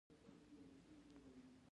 پامیر د افغانستان د بشري فرهنګ برخه ده.